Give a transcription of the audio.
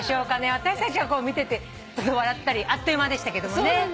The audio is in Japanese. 私たちはこう見てて笑ったりあっという間でしたけどもね。